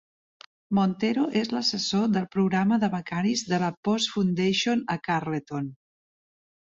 Montero és l'assessor del programa de becaris de la Posse Foundation a Carleton.